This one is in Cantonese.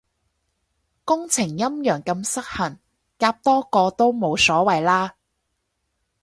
工程陰陽咁失衡，夾多個都冇所謂啦